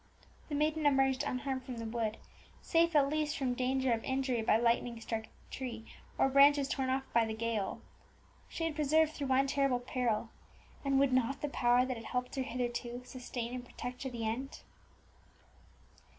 The maiden emerged unharmed from the wood, safe at least from danger of injury by lightning struck tree, or branches torn off by the gale. She had been preserved through one terrible peril; and would not the Power that had helped her hitherto sustain and protect to the end?